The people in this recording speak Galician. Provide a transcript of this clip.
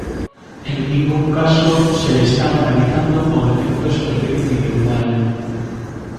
En ningún caso se están analizando movementos a nivel individual.